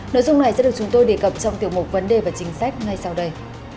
nội dung này sẽ được chúng tôi đề cập trong tiểu mục vấn đề và chính sách ngay sau đây